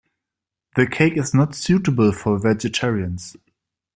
The cake is not suitable for vegetarians.